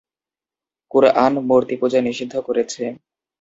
কুরআন মূর্তিপূজা নিষিদ্ধ করেছে।